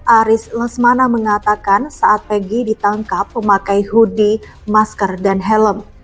aris lesmana mengatakan saat peggy ditangkap memakai hoodie masker dan helm